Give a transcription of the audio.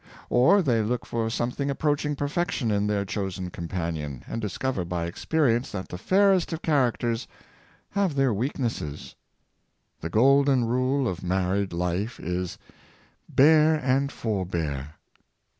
Or they look for something approaching perfection in their chosen companion, and discover by experience that the fairest of characters have their weaknesses. The golden rule of married life is, "bear and forbear."